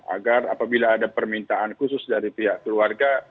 agar apabila ada permintaan khusus dari pihak keluarga